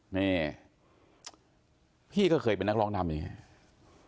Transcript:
นี่พี่ก็เคยเป็นนักร้องนำอย่างนี้